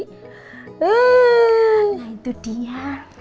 nah itu dia